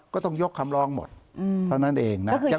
ก็ต้องยกคำลองหมดเพราะนั่นเอง